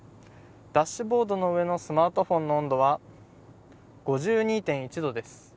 ダッシュボードの上のスマートフォンの温度は５２．１度です。